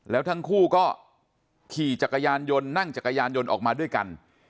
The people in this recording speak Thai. แล้วทั้งคู่ก็ขี่จักรยานยนต์นั่งจักรยานยนต์ออกมาด้วยกัน